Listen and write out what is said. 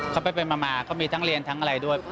เขาไปมาเขามีทั้งเรียนทั้งอะไรด้วย